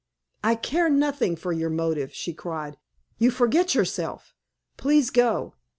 "I care nothing for your motive," she cried. "You forget yourself! Please go!"